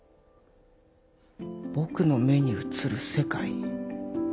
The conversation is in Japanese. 僕の目に映る世界。